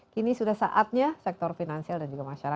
kini sudah saatnya sektor finansial dan juga masyarakat